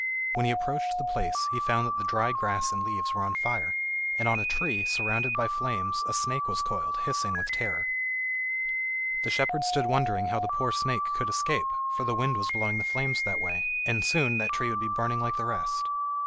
When he approached the place he found that the dry grass and leaves were on fire, and on a tree, surrounded by flames, a snake was coiled, hissing with terror. The shepherd stood wondering how the poor snake could escape, for the wind was blowing the flames that way, and soon that tree would be burning like the rest.